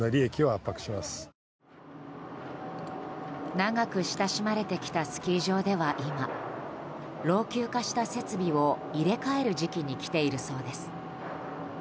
長く親しまれてきたスキー場では今老朽化した設備を入れ替える時期に来ているそうです。